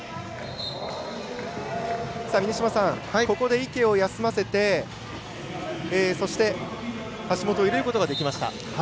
ここで池を休ませてそして、橋本を入れることができました。